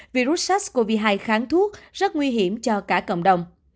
virus sars cov hai kháng thuốc rất nguy hiểm cho cả cộng đồng